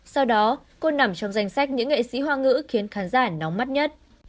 sau đó cô nằm trong danh sách những nghệ sĩ hoa ngữ khiến khán giả nóng mắt nhất